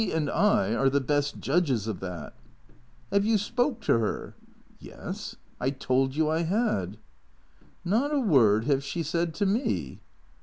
" She and I are the best judges of that." " 'Ave you spoke to 'er ?" "Yes. I told you I had." " Not a word 'ave she said to me."